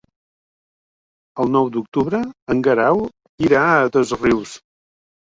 El nou d'octubre en Guerau irà a Dosrius.